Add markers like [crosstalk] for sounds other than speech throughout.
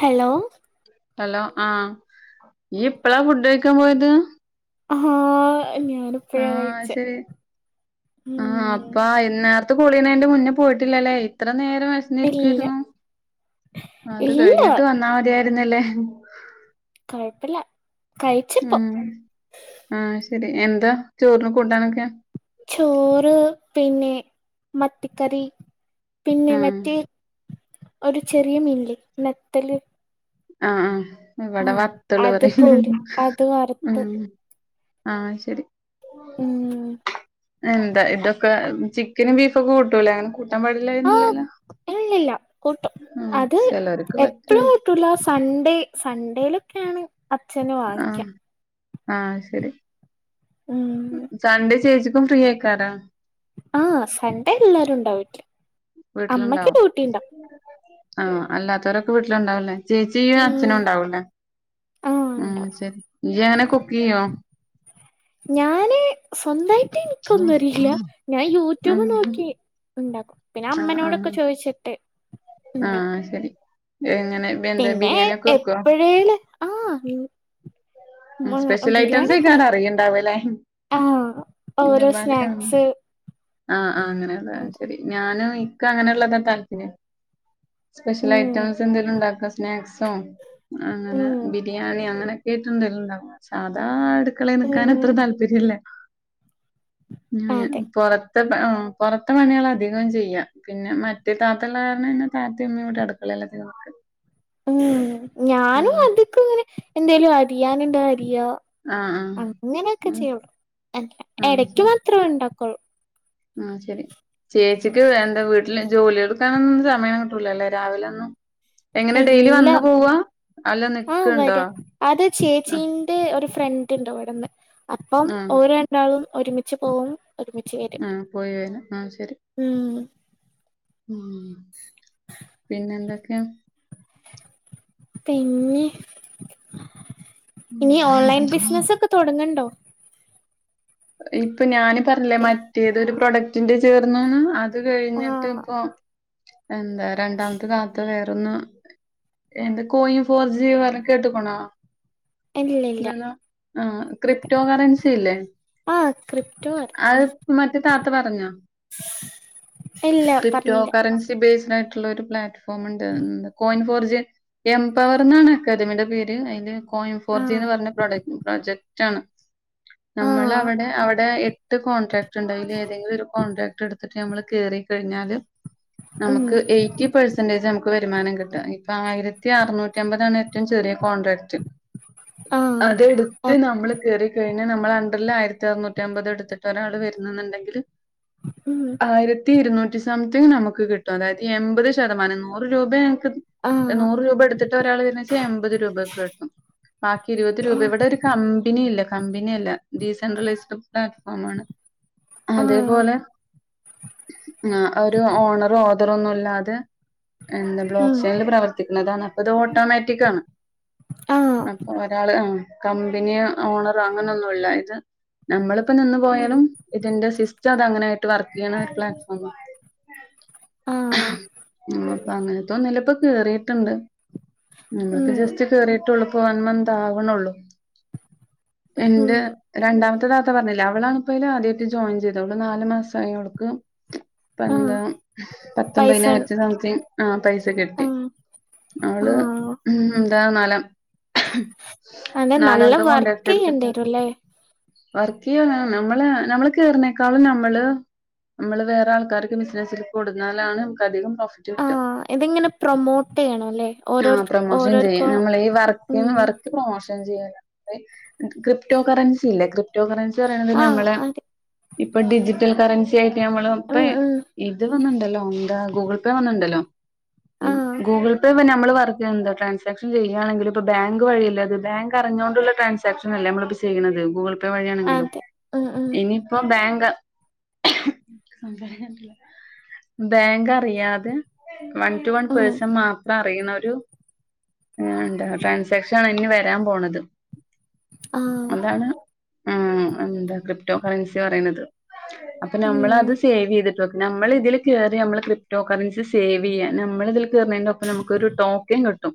Hello hello ആ ഇയ്യ് ഇപ്പളാ ഫുഡ് കഴിക്കാൻ പോയത് ഹാ ആ ശെ ആ ഉം അപ്പാ വൈന്നെർ ത്ത് പൊളിയണെന്റെ മുന്നേ പോയിട്ടില്ലല്ലേ ഇത്ര നേരം ഇല്ല വിശന്നിരിക്കെര്ന്നു അത് ഇല്ല കഴിഞ്ഞിട്ട് വന്നാ മതിയായിരുന്നല്ലേ [unintelligible] കുഴപ്പില്ല കഴിച്ച്പ്പൊ ഉം ആഹ് ശരി എന്താ ചോർന് കൂട്ടാനൊക്കെ ചോറ് പിന്നെ മത്തിക്കറി പിന്നെ ഉം മറ്റേ ഒരു ചെറിയ മീനില്ലെ നത്തല് ആ ആ ഇവിടെ വത്തള് അത് പറയും ഹ് പോര് അത് വറുത്ത് ഹ് മ് ആ ശെരി ഉം എന്താ ഇതൊക്കെ ചിക്കനും ബീഫൊക്കെ കൂട്ടൂലേ അങ്ങനെ കൂട്ട ആ ഇല്ലി ല്ലാ കൂട്ടും ഉം അത് ചെലോർക്ക് എപ്പളും പറ്റൂല കൂട്ടൂല സ്‌കൂ പണ്ടേ സൺഡേയ്ലൊക്കെയാണ് അച്ഛന് വാങ്ങിക്ക ആ ശെരി ഉം സൺഡേ ചേച്ചിക്കും ഫ്രീആയ്ക്കാരം ആ സൺഡേ എല്ലാരുണ്ടാവും വീട്ട്ല് അമ്മക്ക് ഡ്യട്ടി ഇണ്ടാ ആ അല്ലാത്തോരൊക്കെ വീട്ടിലുണ്ടാവു ല്ലേ ചേച്ചി ഇയ്യും ഉം അച്ഛനുണ്ടാവൂലേ ആഹ് മ് ഉണ്ടാവും ശരി ഇയ്യെങ്ങനെ കുക്കെയ്യോ ഞാന് സ്വന്തയ്റ്റ് എനിക്കൊന്നറിയില്ല ഞാൻ ഉം യൂട്യൂബ് നോക്കി. ഉണ്ടാക്കും. ആഹ് പിന്നഅമ്മനോടൊക്കെ ആഹ് ചോയ്ച്ച്ട്ട്. ആഹ് അയ്ശെരി പിന്നെ എപ്പഴേണ് ആഹ് ബിരിയാണി ഒക്കെ സ്പെഷ്യൽഐറ്റംസെക്കാനം ഉണ്ടാക്കും അറിയിണ്ടാവല്ലെ. ആഹ് ഓരോ സ്നാക്സ് ആഹ് ആഹ് ഉം അങ്ങനെയൊക്കെയാണ് ശെരി ഞാനും ഇക്കങ്ങനുള്ളതാ താല്പര്യം. സ്പെഷ്യൽ ഉം ഐറ്റംസ് എന്തേലും ഉണ്ടാക്ക സ്നാക്സോ അങ്ങനെ ബിരിയാണി അങ്ങനെ. കേട്ടുണ്ടുല്ലണ്ടലോ സാധാ അടുക്കളെ നിക്കാനത്ര ഉം താല്പര്യല്ല. ഞാന് അതെ പൊറത് പൊറത്തപണികളധികോമ് ചെയ്യാ പിന്നെ മറ്റേ താത്തള്ളകാരണം പിന്നെ താതേം ഉമ്മേംക്കൂടെ അട്ക്കളേ [unintelligible] ഉം ഞാനും അതൊക്ക്‌ങ്ങനെ എന്തേലും അരിയാനുണ്ടാ അരി രിയാ ആഹ് ആഹ് അങ്ങനെക്കെ ഉം ചെയ്യൊള്ളൂ. എടയ്ക്ക് മാത്രെ ഉണ്ടാക്കൊള്ളൂ. ആ ശെരി ചേച്ച്ക്ക് എന്താ വീട്ട്ല് ജോലിയെടുക്കാനൊന്നും സമയം കിട്ടൂലല്ലേ. രാവിലൊന്നും. എങ്ങനെ ഡെയ്ലി എല്ലാ വന്ന് പോവാ അല്ല ആഹ് നിക്ക്‌ണ്ടോ? വരാം ഫ്രണ്ട്ണ്ട് ഇവ്ടന്ന്. അപ്പം ആഹ് ഓര് രണ്ടാളും ഒരുമിച്ച് പോവും. ഒരുമിച്ച് വെരും ആഹ് പോയി വരാ ആഹ് ശരി ഉം ഉം പിന്നെന്തൊക്കെയാ? പിന്നെ ഉം ഇനി ഓൺലൈൻ ബിസ്നസ്സൊക്കെ തൊടങ്ങ്ണ്ടോ? ഇപ്പ ഞാന് പറഞ്ഞില്ലേ മറ്റേതൊരു പ്രൊഡക്ടിന്റെ ചേർന്നൂന്ന്. അത് കഴിഞ്ഞിട്ട് ആഹ് ഇപ്പോം എന്താ രണ്ടാമ്ത്തെ താത്ത വെ ടുന്ന് എന്റെ കോയിൻ ഫോർ ജി വെറെ കേട്ടുക്കുണാ ഇല്ല ഇല്ല ഇല്ലല്ലോ ആ ക്രിപ്റ്റോ കറൻസി അല്ലേ? ആഹ് ക്രിപ്റ്റോ വരേ ആഹ് താത്ത പറഞ്ഞോ ഇല്ല പറഞ്ഞില്ല. ബേസ്ഡായ്ട്ട്ള്ളൊരു പ്ലാറ്റ്ഫോമുണ്ട്ന്ന് കോയിൻ ഫോർ ജി എം പവർന്നാണ് അക്കാദമിടെ പേര് അയിന്റെ കോയം ആഹ് ഫോർച്ചിന്ന് പറഞ്ഞ പ്രോഡക് പ്രൊജക്ടാണ്. നമ്മളപ് ആഹ് ട്ട് കോൺട്രാക്റ്റ്ണ്ട് അയ്ലേതെങ്കിലും ഒരു കോൺട്രാക്റ്റെടുത്തിട്ട് നമ്മള് കേറിക്കഴിഞ്ഞാല്. ഉം നമ്മക്ക് എയ്റ്റി പെഴ്സെന്റേജ് നമ്മക്ക് വരുമാനം കിട്ട. ഇപ്പ ആയിരത്തി അറുന്നൂറ്റമ്പതാണ് ഏറ്റവും ചെറിയ കോൺട്രാക്റ്റ്. ആഹ് അതെടുത്ത് അപ് നമ്മള് കേറിക്കഴിഞ്ഞ നമ്മളണ്ടർല് ആയിര റ്റ അറനൂറ്റമ്പത് എടുത്തിട്ട് ഒരാൾ വരുന്നുണ്ടെങ്കില് ഉം ആയിരത്തി ഇരുന്നൂറ്റി സംതിങ് നമുക്ക് കിട്ടും, അതായത് എമ്പത് ശതമാനം നൂറ് രൂപേ ആഹ് നൂറ് രൂപ എടുത്തിട്ട് ഒരാള്ന്നച്ചാൽ എമ്പത് രൂപക്കെ കിട്ടും. ബാക്കി ഇരുപത് രൂപ ആഹ് ഇവെടെ ഒരു കമ്പനി ഇല്ല കമ്പനി അല്ല ദി സെൻട്രൈല്സ്ഡ് പ്ലാറ്റ്ഫോമാണ് ആഹ് അതേപോലെ. ആ ഒരു ഓണറും ഓർ വെറൊന്നുമില്ലാതെ എന്താ ഉം ബ്ലോക്ക് സെയിൽ പ്രവർത്തിക്കുന്നതാണ്, അപ്പ ഇത് ഓട്ടോമാറ്റിക്കാണ്. ആഹ് അപ്പൊ ഒരാള് ആ കമ്പനിയാ ഓണറോ അങ്ങനൊന്നുല്ലയിത്. നമ്മളിപ്പോ നിന്ന് ഉം പോയാലും ഇതിന്റെ സിസ് റ്റ അതങ്ങനെയായിട്ട് വർക്ക് ചെയ്യണ ഒരു പ്ലാറ്റ്ഫോമ. ആഹ് ആ അപ്പൊ അങ്ങനത്തെ ഒന്നിലിപ്പോ കേറിട്ടൊണ്ട്. നമ്മളെക്ക് ഉം ജസ്റ്റ് കേറിയിട്ടേള്ളൂ, ളിപ്പോ വൺ മന്ത് ആവണൊള്ളൂ. ഉം എന്റെ. രണ്ടാമത്തെ താത്ത പറഞ്ഞില്ലേ, അവളാണിപ്പയിതില് ആദ്യായിട്ട് ജോയിൻ ചെയ്തത്, അവള് നാല് മാസമായി അവെളക്ക്. ഇപ്പ ആഹ് എന്താ പൈസ പത്തൊമ്പതിനായിരത്തി സംതിങ് ആ പൈസ കിട്ടി. ആഹ് അവള് ആഹ് ഉം എന്താ നാലാം. അതെ നല്ല നാലാമത്തെ വർക്ക് കൊണ്ടാക്ട് ചെയ്യേണ്ടി എടുത്തിട്ട് വരുംല്ലേ വർക്ക് ചെയ്യാന നമ്മള് നമ്മള് കേയറനേക്കാളും നമ്മള്. നമ്മള് വേറെ ആൾക്കാർക്ക് ബിസിനസ്സിൽ കൊടുന്നാലാണ് നമുക്ക് അധികം പ്രോഫിറ്റ് ആ കിട്ടുക. ഇതിങ്ങനെ പ്രൊമോട്ട് ചെയ്യണം അല്ലേ ആ ഓരോരു പ്രൊമോഷൻ ചെയ്യാം ഓരോർക്കും നമ്മൾ ഈ ഉം വർന്ന് വർക്ക് പ്രൊമോഷൻ ചെയ്യന്. ക്രിപ്റ്റോ കറൻസി ഇല്ലേ ക്രിപ്റ്റോ കറൻസി പറയെ ആ നമ്മളെ. അതെ ഇപ്പൊ ഡിജിറ്റൽ കറൻസി ആയിട്ട് നമ്മൾ ഇപ്പ ഉം ഉം ഇത് വന്നിണ്ടല്ലോ എന്താ ഗൂഗിൾ പേ വന്നിണ്ടല്ലോ. ഈ ആ ഗൂഗിൾ പേ പിന്നെ. നമ്മള് വർക്ക്ന്താ ട്രാൻസാക്ഷൻ ചെയ്യയാണെങ്കില് ഇപ്പൊ ബാങ്ക് വഴിയില്ല, അത് ബാങ്ക് അറിഞ്ഞുകൊണ്ടുള്ള ട്രൻസാക്ഷൻ അല്ല നമ്മള് ചെയ്യണത് ഗുഗിൾ പേ വഴിയാണെങ്കിലും, അതെ ഉം ഉം ഇനിയിപ്പം ബാങ്ക് ബാങ്ക് അറിയാതെ. വൺ ടു വൺ ഉം പേഴ്സൺ മാത്രം അറിയണ ഒരു ട്രാൻസാക്ഷൻ ആണ് ഇനി വരാൻ പോണത്. ആ അതാണ് ഉം എന്താ ക്രിപ്റ്റോ കറൻസി പറയുന്നത്. അപ്പൊ നമ്മൾ ഉം അത് സേവ് ചെയ്തിട്ട്. നമ്മൾ ഇതിൽ കയറി നമ്മൾ ക്രിപ്റ്റോ കറൻസി സേവ് ചെയ്യാ, നമ്മൾ ഇതിൽ കേയറിന്നതിനോപ്പം നമു ഒരു ടോക്കൻ കിട്ടും.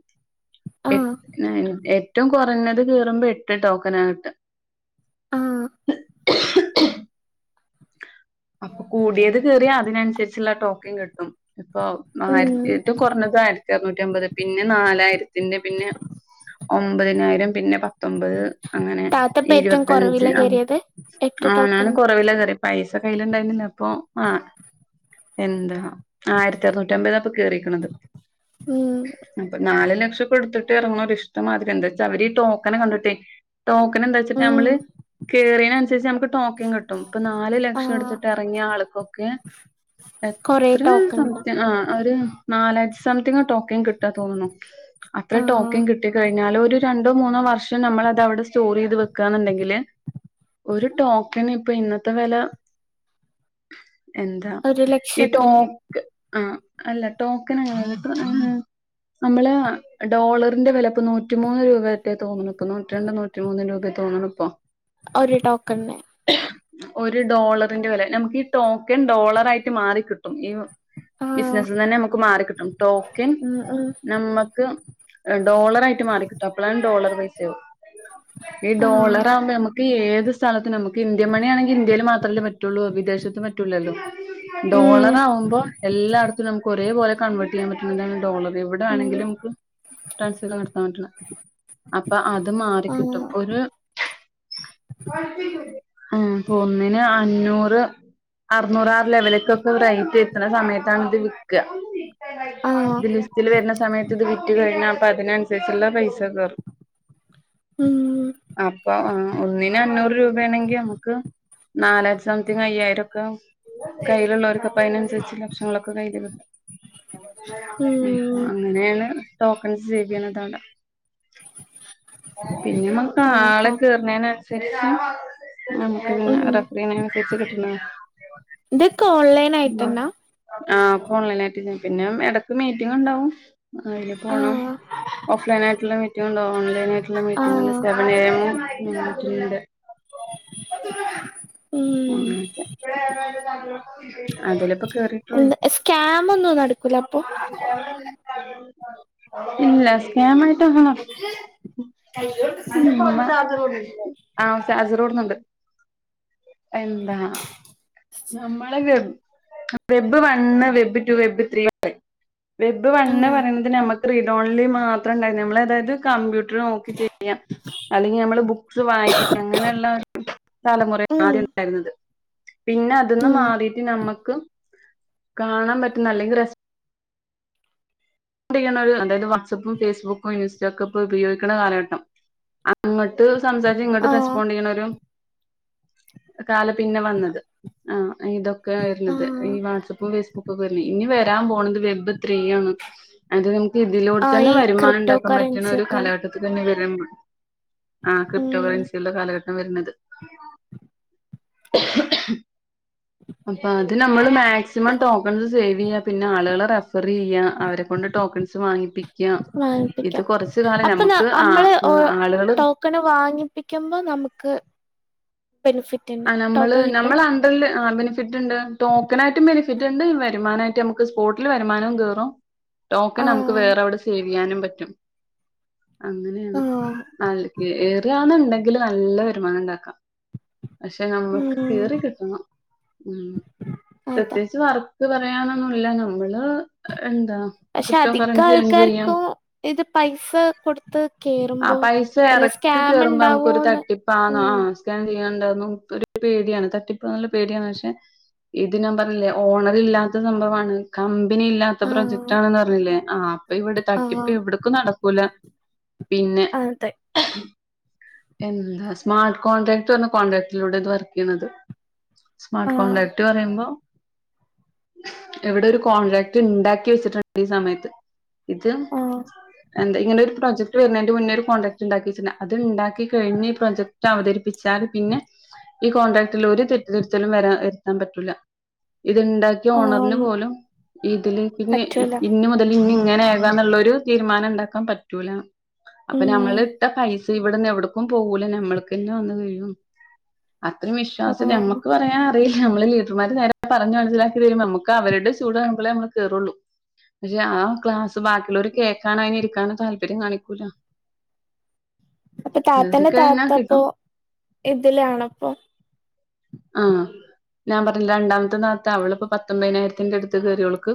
ആ [unintelligible] ഏറ്റവും കുറഞ്ഞത് കേറുമ്പോ എട്ട് ടോക്കനാ കിട്ടുക. ആ അപ്പൊ കൂടിയത് കേറിയ അതിനനുസരിച്ചുള്ള ടോക്കൻ കിട്ടും. ഇപ്പൊ ഉം ആയിരത്തി ട്ട് കുറഞ്ഞത് ആയിരത്തി അറനൂറ്റി അമ്പത് പിന്നെ നാലായിരത്തി ന്റെ പിന്നെ ഒമ്പതിനായിരം പിന്നെ പത്ത് പത്തൊമ്പത് അങ്ങനെ താത്തപ്പ ഏറ്റവും ഇരുപത്തഞ്ച് കുറവില ആ കയറിയത് എട്ട് ആ ഞാൻ ടോക്കൺ കുറവലാ കേറിത് പൈസ. കയ്ലുണ്ടായിരുന്നില്ല, അപ്പ ആ എന്താ ആയിരത്തി അറനൂറ്റി അമ്പത് അപ്പം കേറിക്കണത് ഉം അപ്പോ നാളെ ലോ [unintelligible] എടുത്തിട്ട് ഇറങ്ങണം ഒരു ഇഷ്ടമാതിരി എന്താ വെച്ചാ അവര് ടോക്കനെ കണ്ടിട്ടേ. ടോക്കൻ എന്താ വെച്ചട്ട ഉം നമ്മള് കയറിയതിനനുസരിച്ച് നമുക്ക് ടോക്കൻ കിട്ടും ഇപ്പൊ നാല് ആ ലക്ഷം. ച എടുത്തിട്ട് ഇറങ്ങിയ ആൾക്കൊക്കെ കൊറേ എത്ര ടോക്കൺ സം ഉണ്ട് ആ ഒരു നാലാഴ്ച സംതിങ് ടോക്കൻ കിട്ടാ തോന്നുന്നു അത്ര ആ ടോക്കൻ കിട്ടി കഴിഞ്ഞ പിന്നാല ഒരു രണ്ടോ മൂന്നോ വർഷം നമ്മൾ അത്വിടെ സ്റ്റോർ ചെയ്ത് വെക്കുകന്നുണ്ടെങ്കില്. ഒരു ടോക്കൻ ഇപ്പൊ ഇന്നത്തെ വില. എന്താ ഒരു ഈ ലക്ഷൊക്കെ ഉണ്ട് ടോക്ക് ആ അല്ല ടോക്കൻങ്ങിട്ട് നമ്മള് ഡോളറിന്റെ വില ഇപ്പോ നൂറ്റിമൂന്ന് രൂപയറ്റോ തോന്നുന്നുപ്പ നൂറ്റി രണ്ട് നൂറ്റിമൂന്ന് രൂപ തോന്നണിപ്പോ. ഒരു ഡോക്കൺന്. ഒരു ഡോളറിന്റെ വില നമുക്ക് ഈ ടോക്കൻ ഡോളറായിട്ട് മാറിക്കിട്ടും ഈ ആ ബിസിനസി തന്നെ നമുക്ക് മാറിക്കിട്ടും ടോക്കൻ ഉം ഉം നമ്മുക്ക് ഡോളറായിട്ട് മാറിക്കിട്ടും അപ്പോളാണ് ഡോളർ വ ഈ ആ ഡോളർ ആകുമ്പോ നമുക്ക് ഏത് സ്ഥലത്തി നമുക്ക് ഇന്ത്യൻ മണിയാണെങ്കി ഇന്ത്യൽ മാത്ര റ്റുള്ളു വിദേശത്ത് പറ്റുലല്ലോ ഉം ഡോളർ ആവുമ്പോ എല്ലായിടത്തും നമുക്ക് ഒരേ പോലെ കൺവേർട്ട് ചെയ്യാൻ പറ്റ്ന്നില്ല ഡോളർ ഉം ഇവിടെണെങ്കില് നമുക്ക് ട്രാൻസ്ഫർ നടത്താൻ പറ്റണം അപ്പൊ അത് ആ മാറിക്കിട്ടും ഒരു ആപ്പൊ ഒന്നിന് അഞ്ഞൂറ് അറുന്നൂറാറ് ലെവലേക്കൊക്കെ റൈറ്റ് എത്തുന്ന സമയത്താണ് ഇത് വിക്കുക ആ ഇത് ലിസ്റ്റില് വരുന്ന സമയത്ത് ഇത് വിറ്റ് കഴിഞ്ഞ അപ്പ അതിനനുസരിച്ചുള്ള പൈസ സ കേറും ഉം അപ്പ ആ ഒന്നിന് അഞ്ഞൂറ് രൂപയാണെങ്കി നമുക്ക് നാലായിരം സംതിങ് അയ്യായിരം ഒക്കെ കയ്യിലുള്ളവർ കപ്പ അതിനനുസരിച്ച് ലക്ഷങ്ങളൊക്കെ [unintelligible] ഉം അങ്ങനെയാണ് ടോക്കൺസ് സേവ് ചെയ്യണതടെ പിന്നെമ്മക്ക് ഓഹോ ആളെ കേറുന്നന്നുസരിച്ചും ഉം ഉ പിന്നെ റഫറ് ചെയ്യണനുസരിച്ച് കിട്ടണ ഇതൊക്കെ ഓൺലൈൻ ആയിട്ടെന്നാ ആഹ് ഫോൺ [unintelligible] പിന്നെ ഇടക്ക് മീറ്റിങ് ഇണ്ടാവും അതില് പോണം ആഹ് ഓഫ്‌ലൈൻ ആയിട്ടുള്ള മീറ്റിംഗ് ഉണ്ടോ ഓൺലൈൻ ആയിട്ടുള്ള മീറ്റിങ്ങണ്ട് ആഹ് സെവൻ എ എംണ്ട് [inaudible] ആ [inaudible] അതിലിപ്പൊ കേറിട്ടുള്ളൂ എന്ത് സ്കാം ഒന്നും നടക്കൂല അപ്പൊ ഇല്ല സ്കാം ട്ടൊന്നും ആ ചാർജറോഡ്ന്നുണ്ട് എന്താ നമ്മള് വെബ് വന്ന് web two web three web വൺന്ന് ആഹ് പറയുന്നത് നമക്ക് റഡോണിൽ മാത്രം ഉണ്ടായി നമ്മൾ അതായത് കം നോക്കി ചെയ്യാം അല്ലെങ്കിൽ നമ്മള് ബുക്സ് വായിക്ക അങ്ങനെയുള്ള തലമുറ ഉം മാണ്ടായിരുന്നത് പിന്നെ അതൊന്ന് ഉം മാറിട്ട് നമ്മക്ക് കാണാൻ പറ്റുന്ന അല്ലെങ്കിൽ രസ അതായത് വാട്സപ്പും ഫേസ്ബുക്കും യന്യൂസ്റ്റക്കൊപ്പ ഉപയോഗിക്കുന്ന കാലഘട്ടം അങ്ങോട്ട് സംസാരിച്ച് ഇങ്ങോട്ട് ആഹ് റെസ്പോണ്ട് ചെയ്യണ ഒരു കാല പിന്നെ വന്നത് ആ ഇതൊക്കെ വരുന്നത് ഈ ആഹ് വാട്സആപ്പും ഫേസ്ബുക്കുംക്കെ ഇനി വ ട്ടാൻ പോണത് വെബ് ത്രീയാണ് അത് ഇതിലൂടെ ആഹ് തന്നെ ഈ വരുമാനം ക്രിപ്റ്റോ ഉണ്ടാക്കാൻ കറൻസി പറ്റുന്ന ഒരു ഒക്കെല്ലേ കാലഘട്ടത്തി തന്നെ വരും ആ ക്രിപ്റ്റോ ഉം കറൻസുടെ കാലഘട്ടം വരുന്നത് [inaudible] അപ്പൊ അത് നമ്മള് മാക്സിമം ടോക്കൺസ് സേവ് ചെയ്യ പിന്നെ ആളുകള് റഫ റി ചെയ്യാം അവരെ കൊണ്ട് ടോക്കൺസ് വാങ്ങിപ്പിക്കുക ഇത് വാങ്ങിപ്പിക്കാം കൊറച്ച് കാലം അപ്പൊ ന നമുക്ക് ആ നമ്മള് ആളുകള് ടോക്കൺ വാങ്ങിപ്പിക്കുമ്പോ നമുക്ക് [inaudible] ഉണ്ട് ആ നമ്മള് ടോക്കൺ കിട്ടും നമ്മൾ അണ്ടറില് ആ ബെനിഫിറ്റ് ഉണ്ട് ടോക്കൺ ആയിട്ടും ബെനിഫിറ്റ് ഉണ്ട് വരുമാനമായിട്ട് നമുക്ക് സ്പോട്ടിൽ വരുമാനവും കേറും ടോക്കൻ നമുക്ക് ആഹ് വേറെ അവിടെ സേവ് ചെയ്യാനും പറ്റും അങ്ങനെയാണ് ആഹ് ന ഏറിയാണുണ്ടെങ്കില് നല്ല വരുമാനം ഇണ്ടാക്കാം പക്ഷെ നമ്മൾക്ക് ഉം കീറി കിട്ടണം ഉ അതാ പ്രത്യേകിച്ച് വർ പറയാനൊന്നുല്ല നമ്മള് പക്ഷെ ക്രിപ്റ്റോ അധിക കറൻസി ഏൺ ചെയ്യാം ആൾക്കാർക്കും ഇത് പൈസ കൊടുത്ത് ആ കേറുമ്പോ പൈസ എല്ല എറക്ക് സ്കാം കേറുമ്പോ ഇണ്ടാവോന്ന് ഉം എന്താന്നു ഒരു പേടിയാണ് തട്ടിപ്പന്നുള്ള പേടിയാണ് പക്ഷെ ഇതിന ഞാൻ പറഞ്ഞില്ലേ ഓണർ ഇല്ലാത്ത സംഭവമാണ് കാം ബിനി ഇല്ലാത്ത പ്രൊജക്ട് ആഹ് ആണെന്ന് പറഞ്ഞില്ലേ ആ അപ്പൊ ഇവിടെ തട്ടിപ്പ് എവിടക്കും നടക്കൂല പിന്നെ ആതെ എന്താ സ്മാർട്ട് കോൺട്രാക്ട് പറഞ്ഞ കോൺട്രാക്ടിലൂടെ ഇത് വർക്ക് ചെയ്യന്നത് സ്മാർട്ട് ആഹ് കോൺടാക്ട് പറയുമ്പോ എവിടെ ഒരു കോൺട്രാക്ട് ഉണ്ടാക്കി വെച്ചിട്ടുണ്ട് ഈ സമയത്ത് ഇത് ആഹ് എന്താ ഇങ്ങനെ ഒരു പ്രോജക്ട് വരുന്നതിന്റെ മുന്നേ ഒരു കോൺട്രക്ട് ഉണ്ടാക്കി വെിട്ടു അത് ഉണ്ടാക്കിഴിഞ് ഈ പ്രൊജക്ട് അവതരിപ്പിച്ചാൽ പിന്നെ ഈ കോൺട്രാക്ടില് ഒരു തെറ്റ് തിരുത്തലും വരാ വരുത്താൻ പറ്റൂല്ല ഇത്ണ്ടാക്കിയ ഓണറിന് ആഹ് പോലും ഇതില് പിന്നെ പറ്റൂല ഇന്ന് മുതൽ ഇനി എങ്ങനെകനൊള്ളൊരു തീരുമാനണ്ടക്കാൻ പറ്റൂല അപ്പാ നമ്മൾ ഉം ഇട്ടാ പൈസ ഇവിടെന്ന് എവിടക്കും പോകൂല ഞമ്മള്ക്ക്ന്നെ വന്ന് വിഴും അത്രയും വിശ്വാസം ആഹ് നമ്മുക്ക് പറയാൻ അറിയില്ല നമ്മൾ ലിഡർമാര് നേരെ പറഞ്ഞു മനസ്സിലാക്കി തരുംബം നമുക്ക് അവരുടെ ചൂട്ണുമ്പോളെ നമ്മക് കെറുള്ളൂ പക്ഷെ ആ ക്ലാസ് ബാക്കിയുള്ളവര് കേക്കാനോ അതിന് ഇരിക്കാനോ താല്പര്യം കാണിക്കൂല അപ്പൊ കേറി താത്തന്റെ കഴിഞ്ഞാ താത്തപ്പോ കിട്ടും ഇതിലാണപ്പൊ ആ ഞാൻ പറഞ്ഞില്ല രണ്ടാമത്തെ നാത്ത അവളിപ്പോ പത്തൊമ്പതിനായിരത്തിന്റെ അടുത്ത് കെറിആവൾക്ക്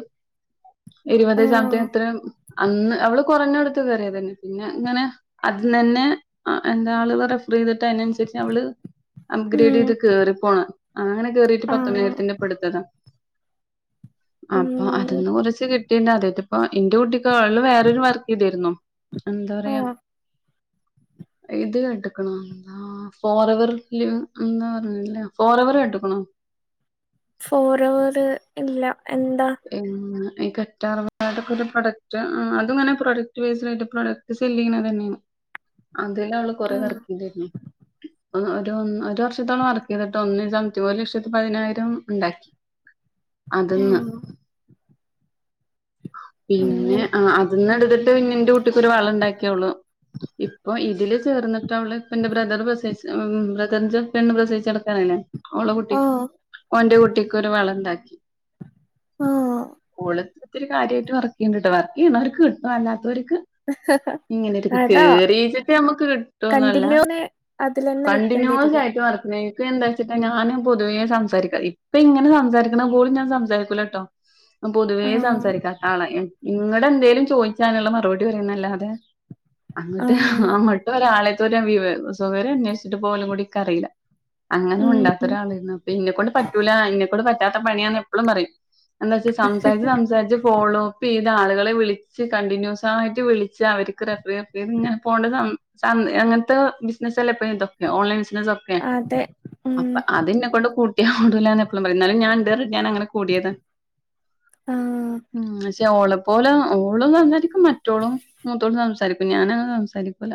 ഇരുപത് ശത്ത ആഹ് ഇത്ര അന്ന് അവള് കുറഞ്ഞ കൊടുത്ത് കേയറിയതന്നെ പിന്നെ ഇങ്ങനെ അന്നനെ ആ എന്താ അൾ കുറെ റഫർ ചെയ്തിട്ട് അതിനനുസരിച്ച് അവള് അപ്ഗ്രേഡ് ഉം ചെയ്ത് കേറിപ്പോണേ അങ്ങനെ കേറിയിട്ട് ആഹ് പത്തണായിരത്തിന്റെ ഇപ്പടുത്തതാ അപ്പൊ ഉം അതൊന്ന് കുറച്ച് കിട്ടിണ്ട അതായത്തിപ്പ എന്റെ കൂട്ടി കാളില് വേറൊരു വർക്ക് ചെയ്തിരുന്നു എന്താ പറയാ ആഹ് ഇത് ക്കെട്ട്ക്കണ ന്താ ഫോർഎവാറി ല്ല് എന്ന് പറഞ്ഞില്ലേ ഫോർഎവർ ക്കെട്ട്ക്കണോ ഫോർഎവർ ഇല്ല എന്താ ഏമ്മ് ഈ കറ്റാർവാഴേടെ ഒരു പ്രൊഡക്റ്റ് ആ അത്ങ്ങനെ പ്രൊഡക്ട് വേസ്ഡായിയിട്ട് പ്രൊഡക്ട് സെല് ചെയ്യുന്നത് തന്നെയാണ് അതില് അവള് കൊറെ ആഹ് വർക്ക് ചെയ്ത്തിരുന്നു ഓ ഒരു ഒന്ന് വർഷത്തോളം വർക്ക് ചെയ്തിട്ട് ഒന്ന് സംതിങ് ഒരു ലക്ഷത്തി പതിനായിരം ഉണ്ടാക്കി ആ അതിന്ന് പിന്നെ അങ്ങനെ ആ അതിന്ന് എടുത്തിട്ട് പിന്നെനന്റെ കുട്ടക്ക് ഒരു വള ഉണ്ടാക്കി അവൾ ഇപ്പൊ ഇതില് ചേർന്നിട്ട അവള് ഇ എന്റെ ബ്രദർ പ്രസ ബ്രദറിന്റെ പെണ് പ്രസിച്ചെടുക്കാനല്ലോ അവളെ കുട്ടി ആഹ് ഓന്റെ കുട്ടിക്കൊരു വള ഉണ്ടാക്കി ആഹ് ഓൾ ഇത്തിരി കാര്യമായിട്ട് വർക്ക് ചെയ്യണ്ടിട്ട് വർക്ക് ചെയ്യണവർക്ക് കിട്ടും അല്ലാത്തവർക്ക് ഇങ്ങനെത്ക്ക് അതാ കേറിച്ചക്ക് നമക്ക് കിട്ടുംന്നല്ല കണ്ടിന്യൂന്ന് അതിലന്നെ കണ്ടിന്യ നിക്കേണ്ടി വരൂല്ലേ [unintelligible] വർക്കണേ എന്താ വെച്ചിട്ടാ ഞാന് പൊതുവെ സംസാരിക്കാം ഇപ്പ ഇങ്ങനെസാരിക്കുന്നത് പോല ഞാൻ സംസാരിക്കൂലട്ടോ പൊതുവേ ആഹ് സംസാരിക്കാതാ ആള ഇങ്ങടെ എന്തേലും ചോദിക്കാനുള്ള മറുപടി പറയുന്നല്ലാതെ അങ്ങോട്ട് ആഹ് അങ്ങോട്ട് ഒരാളെ സുരവിവേ സുകര്ം അന്വേഷിച്ചിട്ട് പോലും കൂടിക്കറിയില്ല അങ്ങനു മിണ്ടാത്ത ഉം ഒരാളായിരുന്നു അപ്പൊ ഇന്നെക്കൊണ്ട് പറ്റൂല ഇന്നെക്കൊണ്ട് പറ്റാത്ത പണിയാന്ന് എപ്പോഴും പറയും എന്താ വച്ച സംസാരിച്ച് സംസാരിച്ച് ഫോളും ചെയ്ത് ആളുകളെ വിളിച്ച് കണ്ടിന്യൂസ് ആയിട്ട് വിളിച്ച് അവർക്ക് റെഫർ ചെയ്ത്ങ്ങെ പോകേണ്ട കാം ചാ അങ്ങനത്തെ ബിസിനല്ല ഇപ്പോ ഇതൊക്കെ ഓൺലൈൻ ന്നത്തൊക്കെ അതെ ഉം അപ്പൊ അതിനെ കൊണ്ട് കു ടുല്ലാന്ന് എപ്പളും പറയും എന്നാലും ഞാൻ എന്റെ റെഡിയാണ് അങ്ങനെ കൂടിയത ആഹ് മൂ അത് പക്ഷേ ഓളെ പോലെ ഓളും സംസാരിക്കും മറ്റോളും മൂത്തോട്ടും സംസാരിക്കും ഞാനങ്ങ് സംസാരിക്കൂല